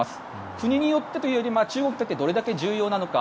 国によってというより中国にとってどれだけ重要なのか。